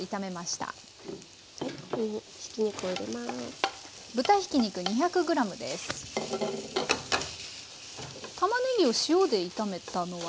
たまねぎを塩で炒めたのは？